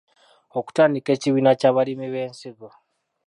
Okutandika ekibiina ky’abalimi b’ensigo.